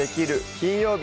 金曜日」